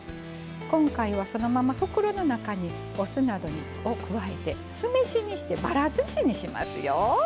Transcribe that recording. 今回はそのまま袋の中にお酢などを加えて酢飯にしてばらずしにしますよ。